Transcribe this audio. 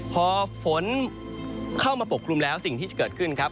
พอฝนเข้ามาปกคลุมแล้วสิ่งที่จะเกิดขึ้นครับ